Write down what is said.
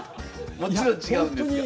もちろん違うんですが。